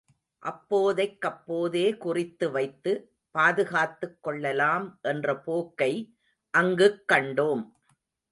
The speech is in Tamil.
அப்போதைக்கப்போதே குறித்து வைத்து, பாதுகாத்துக் கொள்ளலாம் என்ற போக்கை அங்குக் கண்டோம்.